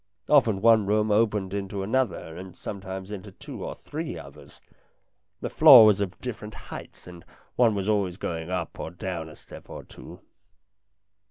Often one room opened into another and sometimes into two or three others. The floor was of different heights, and one was always going up or down a step or two.